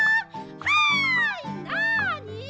「はいなあに？」。